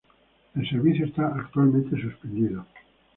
El servicio está actualmente suspendido.